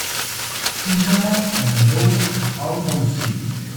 Fisherman on boat out on sea.